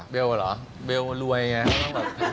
เบลเหรอเบลรวยไง